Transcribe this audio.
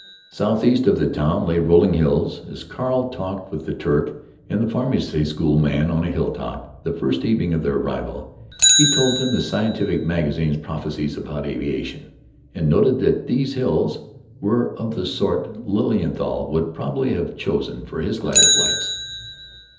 South east of the town lay rolling hills. As Carl talked with the Turk and the Pharmacy School man on a hilltop, the first evening of their arrival, he told them the scientific magazine's prophecies about aviation, and noted that these hills were of the sort Lilienthal would probably have chosen for his glider flights.